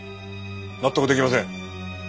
納得できません！